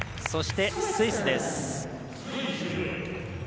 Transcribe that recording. そして、スイスです。